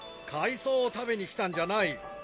海藻を食べに来たんじゃない。